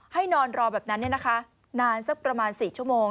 นอนรอแบบนั้นนานสักประมาณ๔ชั่วโมง